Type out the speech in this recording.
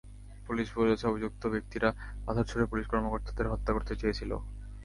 Police বলেছে, অভিযুক্ত ব্যক্তিরা পাথর ছুড়ে পুলিশ কর্মকর্তাদের হত্যা করতে চেয়েছিল।